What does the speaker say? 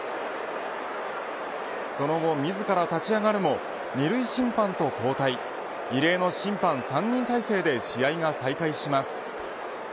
その後、自ら立ち上がるも２塁審判と交代異例の審判３人体制で試合が再開します。